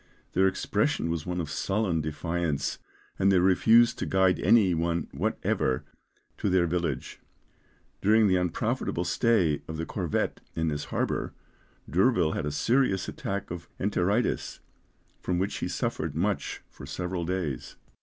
Their expression was one of sullen defiance, and they refused to guide any one whatever to their village. During the unprofitable stay of the corvette in this harbour, D'Urville had a serious attack of enteritis, from which he suffered much for several days.